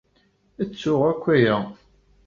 Ttuɣ akk aya.